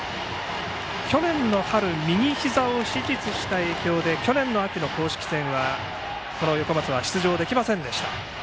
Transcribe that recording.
去年の春に右ひざを手術した影響で去年秋の公式戦は横松は出場できませんでした。